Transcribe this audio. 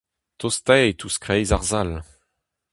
Tostait ouzh kreiz ar sal.